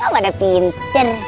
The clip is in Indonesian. kok pada pinter